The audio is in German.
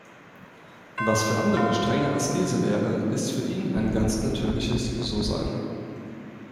Was für andere strenge Askese wäre, ist für ihn ein ganz natürliches So-Sein.